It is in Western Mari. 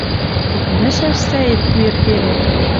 Тӹкнӹшӓш сӓэт кӱэр пелен, —